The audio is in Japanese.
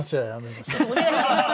お願いします。